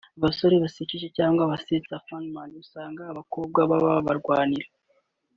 Abasore basekeje cyangwa basetsa (funny men) usanga abakobwa baba babarwanira